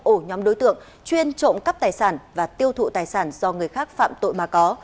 ổ nhóm đối tượng chuyên trộm cắp tài sản và tiêu thụ tài sản do người khác phạm tội mà có